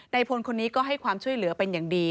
พลคนนี้ก็ให้ความช่วยเหลือเป็นอย่างดี